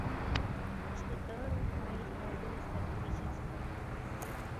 It is the third of five albums that this quintet recorded.